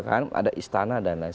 ada istana dan lain sebagainya